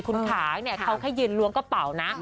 คุณขางเนี่ยเขาแค่ยืนล้วงกระเป๋านะ